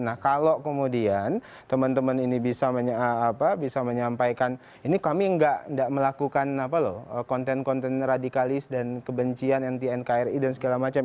nah kalau kemudian teman teman ini bisa menyampaikan ini kami tidak melakukan konten konten radikalis dan kebencian anti nkri dan segala macam